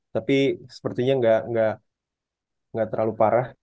tapi sepertinya nggak terlalu parah